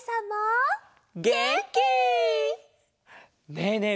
ねえねえ